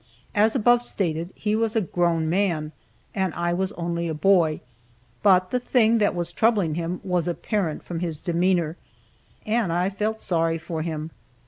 As above stated, he was a grown man, and I was only a boy, but the thing that was troubling him was apparent from his demeanor, and I felt sorry for him.